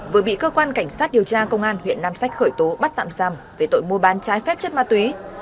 vừa bị cơ quan cảnh sát điều tra công an huyện nam sách khởi tố bắt tạm giam về tội mua bán trái phép chất ma túy